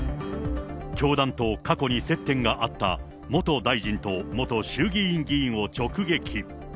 教団と過去に接点があった元大臣と元衆議院議員を直撃。